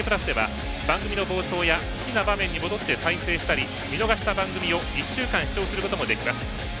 さらにＮＨＫプラスでは番組の冒頭や好きな場面に戻って再生したり、見逃した番組を１週間視聴することもできます。